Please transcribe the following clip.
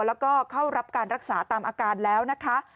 แล้วก็เข้ารับการรักษาตามอาการแล้วนะคะ